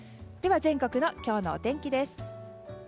全国の今日のお天気です。